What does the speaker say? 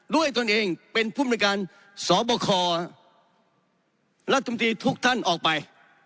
ตนเองเป็นผู้มนุยการสบครัฐมนตรีทุกท่านออกไป